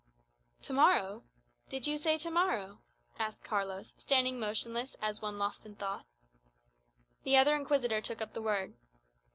"To morrow! Did you say to morrow?" asked Carlos, standing motionless, as one lost in thought. The other Inquisitor took up the word.